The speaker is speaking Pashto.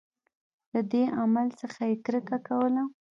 له دې عمل څخه یې کرکه کوله.